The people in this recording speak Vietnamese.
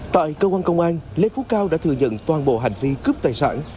tại cơ quan công an lê phú cao đã thừa nhận toàn bộ hành vi cướp tài sản